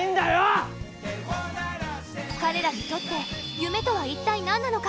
彼らにとって夢とはいったい何なのか？